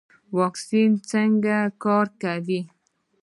واکسین څنګه کار کوي؟